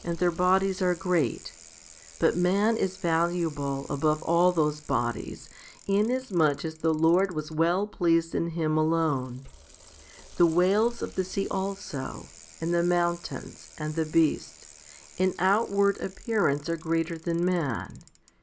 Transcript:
128 FIFTY SPIRITUAL HOMILIES bodies are great; but man is valuable above all those bodies, inasmuch as the Lord was well pleased in him alone. The whales of the sea also, and the mountains, and the beasts, in outward appearance are greater than man.